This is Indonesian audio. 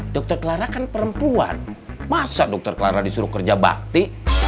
dokter clara kan perempuan masa dr clara disuruh kerja bakti